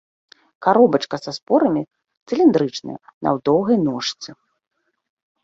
Каробачка са спорамі цыліндрычная, на доўгай ножцы.